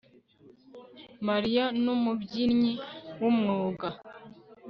Mariya numubyinnyi wumwuga